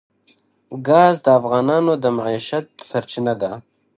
ګاز د افغانانو د معیشت سرچینه ده.